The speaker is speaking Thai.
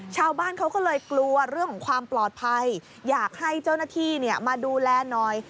ชาวบ้านเขาก็เลยกลัวเรื่องของความปลอดภัยอยากให้เจ้าหน้าที่มาดูแลหน่อย